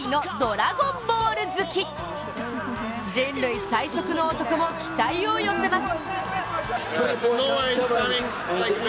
人類最速の男も期待を寄せます。